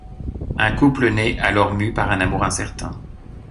Un couple naît alors mu par un amour incertain.